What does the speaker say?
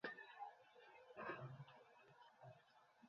হয়তো, স্যার।